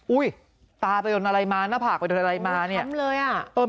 อุ๊ยตาไปอดนาลัยมาหน้าผากไปอดนาลัยมาเนี่ยโอ้ยทำเลย